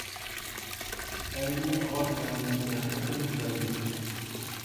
ئەينى ئاۋات مەھەللىسى ھەقىقەتەن گۈزەل ئىدى.